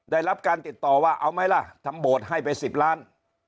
ได้รับการติดต่อว่าเอาไหมล่ะทำโบสถ์ให้ไป๑๐ล้าน